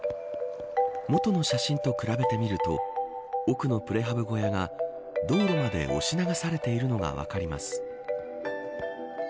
元の写真と比べてみると奥のプレハブ小屋が道路まで押し流されているのが分かります。